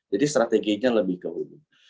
jadi strateginya lebih ke ujung